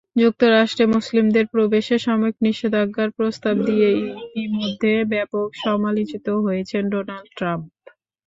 যুক্তরাষ্ট্রে মুসলিমদের প্রবেশে সাময়িক নিষেধাজ্ঞার প্রস্তাব দিয়ে ইতিমধ্যে ব্যাপক সমালোচিত হয়েছেন ডোনাল্ড ট্রাম্প।